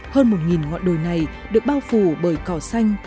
hơn một ngọn đồi này được bao phủ bởi cỏ xanh